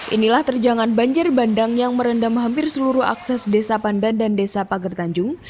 inilah terjangan banjir bandang yang merendam hampir seluruh akses desa pandan dan desa pager tanjung